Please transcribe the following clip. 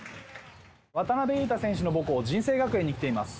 渡邊雄太選手の母校、尽誠学園に来ています。